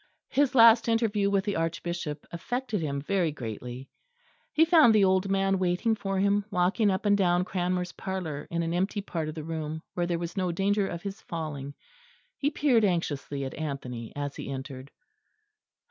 His last interview with the Archbishop affected him very greatly. He found the old man waiting for him, walking up and down Cranmer's parlour in an empty part of the room, where there was no danger of his falling. He peered anxiously at Anthony as he entered.